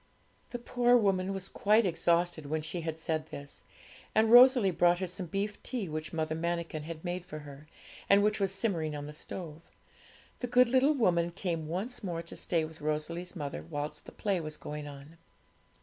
The poor woman was quite exhausted when she had said this; and Rosalie brought her some beef tea which Mother Manikin had made for her, and which was simmering on the stove. The good little woman came once more to stay with Rosalie's mother whilst the play was going on.